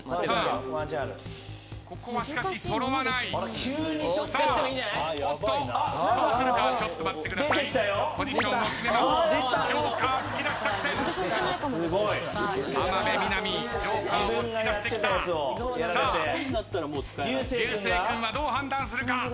さあ流星君はどう判断するか？